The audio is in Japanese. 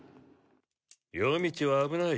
夜道は危ない。